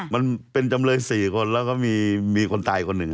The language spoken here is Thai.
มันเป็นจำเลย๔คนแล้วก็มีคนตายคนหนึ่ง